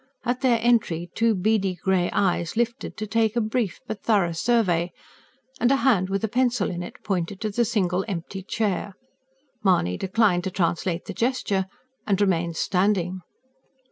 At their entry two beady grey eyes lifted to take a brief but thorough survey, and a hand with a pencil in it pointed to the single empty chair. Mahony declined to translate the gesture and remained standing.